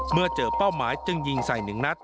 เมื่อเจอเป้าหมายจึงยิงใส่๑นัด